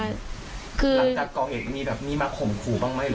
หลังจากกองเอกมีมะขมขู่บ้างไหม